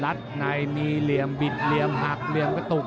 ในมีเหลี่ยมบิดเหลี่ยมหักเหลี่ยมกระตุก